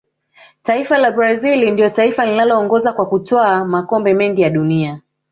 taifa la brazil ndiyo taifa linaloongoza kwa kutwaa makombe mengi ya dunia